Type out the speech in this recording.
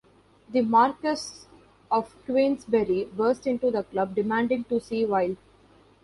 The Marquess of Queensberry burst into the club, demanding to see Wilde.